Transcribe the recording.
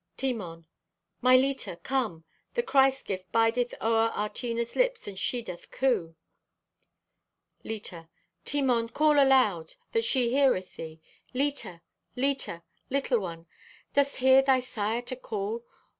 _)(Timon) "My Leta, come! Thy Christ gift bideth o'er our Tina's lips and she doth coo!" (Leta) "Timon, call aloud, that she heareth thee. Leta! Leta! Little one! Dost hear thy sire to call?